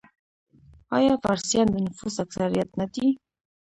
آیا فارسیان د نفوس اکثریت نه دي؟